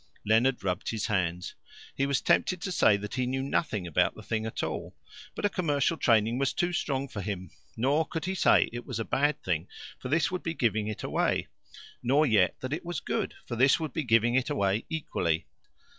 Leonard rubbed his hands. He was tempted to say that he knew nothing about the thing at all. But a commercial training was too strong for him. Nor could he say it was a bad thing, for this would be giving it away; nor yet that it was good, for this would be giving it away equally.